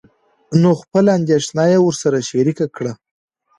نو خپله اندېښنه يې ورسره شريکه کړه.